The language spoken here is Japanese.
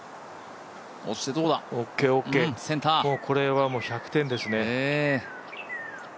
これは１００点ですね。